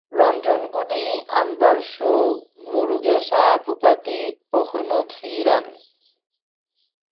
Ranjangudi আনবারসু Murugesa ভূপাথি ওহনধীরান।